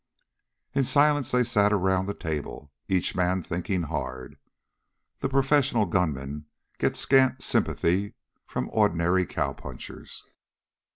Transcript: In silence they sat around the table, each man thinking hard. The professional gunman gets scant sympathy from ordinary cowpunchers.